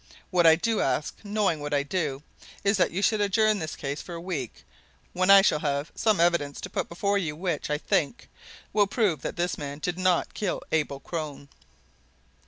What I do ask, knowing what I do, is that you should adjourn this case for a week when I shall have some evidence to put before you which, I think, will prove that this man did not kill Abel Crone."